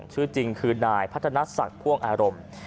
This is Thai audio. ชื่อจริงคือนายพัฒนศักดิ์พ่วงอารมณ์